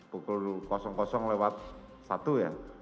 pukul lewat satu ya